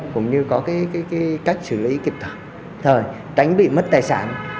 cũng như có cách xử lý kịp thời tránh bị mất tài sản